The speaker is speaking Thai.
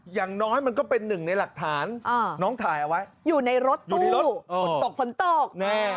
อย่างน้อยมันก็เป็นหนึ่งในหลักฐานน้องถ่ายเอาไว้อยู่ในรถฝนตกฝนตกแน่